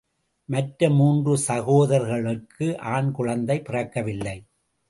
மற்ற மூன்று சகோதரர்களுக்கு ஆண் குழந்தை பிறக்கவில்லை.